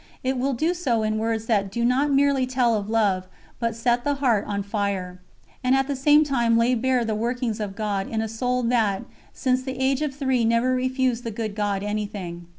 It will do so in words that do not merely tell of love but set the heart on fire, and at the same time lay bare the workings of God in a soul that "since the age of three never refused the Good God anything."